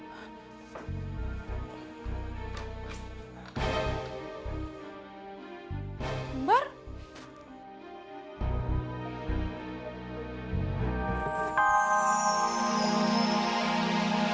cilengan encun apa ada disini